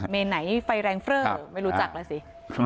อ๋อเมนไหนไฟแรงเฟรอไม่รู้จักแล้วสิ